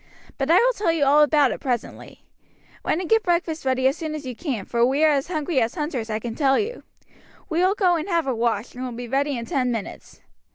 But I will tell you all about it presently; run and get breakfast ready as soon as you can, for we are as hungry as hunters, I can tell you. We will go and have a wash, and will be ready in ten minutes."